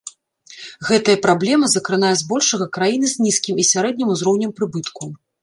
Гэтая праблема закранае збольшага краіны з нізкім і сярэднім узроўнем прыбытку.